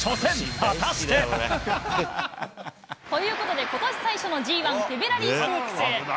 果たして？ということで、ことし最初のＧ１フェブラリーステークス。